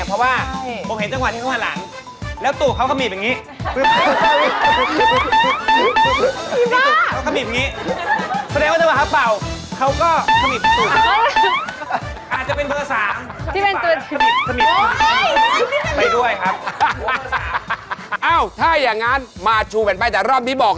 เพราะว่าผมเห็นจังหวัดที่ข้างหลัง